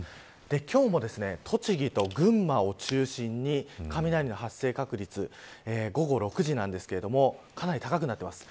今日も栃木と群馬を中心に雷の発生確率午後６時なんですけれどもかなり高くなっています。